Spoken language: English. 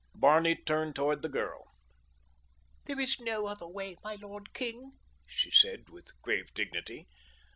Barney turned toward the girl. "There is no other way, my lord king," she said with grave dignity.